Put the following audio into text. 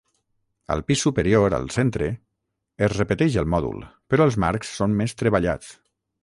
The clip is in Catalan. Al pis superior, al centre, es repeteix el mòdul però els marcs són més treballats.